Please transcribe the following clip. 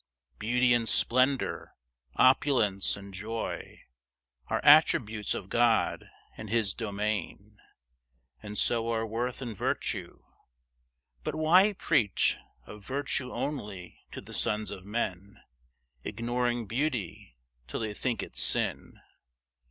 Beauty and splendour, opulence and joy, Are attributes of God and His domain, And so are worth and virtue. But why preach Of virtue only to the sons of men, Ignoring beauty, till they think it sin?